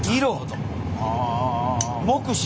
目視？